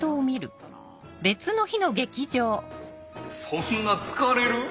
そんな疲れる？